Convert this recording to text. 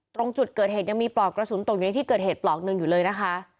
ตรงจุดเกิดเหตุยังมีปลอกกระสุนตกอยู่ในที่เกิดเหตุปลอกหนึ่งอยู่เลยนะคะ